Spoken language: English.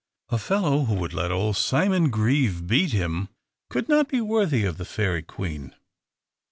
A fellow who would let old Simon Grieve beat him could not be worthy of the Fairy Queen.